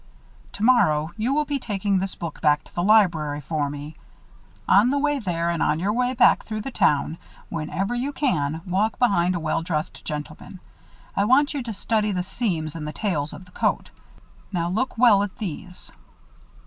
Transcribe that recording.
"Tomorrow, you will be taking this book back to the library for me. On the way there and on your way back, through the town, whenever you can, walk behind a well dressed gentleman. I want you to study the seams and the tails of the coat. Now look well at these."